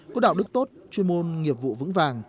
có đạo đức tốt chuyên môn nghiệp vụ vững vàng